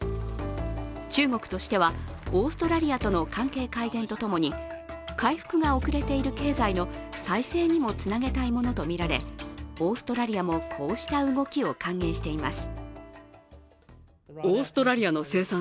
中国としては、オーストラリアとの関係改善とともに回復が遅れている経済の再生にもつなげたいものとみられオーストラリアもこうした動きを歓迎しています。